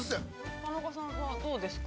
◆田中さんはどうですか。